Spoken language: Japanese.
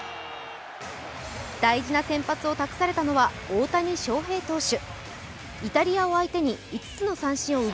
大事な先発を託されたのは大谷翔平投手。